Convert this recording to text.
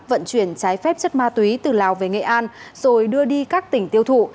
vận chuyển trái phép chất ma túy từ lào về nghệ an rồi đưa đi các tỉnh tiêu thụ